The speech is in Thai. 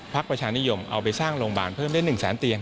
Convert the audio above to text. ประชานิยมเอาไปสร้างโรงพยาบาลเพิ่มได้๑แสนเตียง